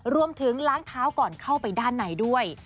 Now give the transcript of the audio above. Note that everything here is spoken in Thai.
รวมถึงล้างเท้าก่อนเข้าไปด้านในด้วย